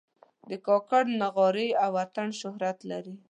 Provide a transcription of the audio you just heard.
د کاکړ نغارې او اتڼ شهرت لري.